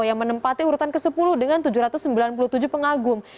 yang menempati urutan ke sepuluh dengan tujuh ratus sembilan puluh tujuh pengagum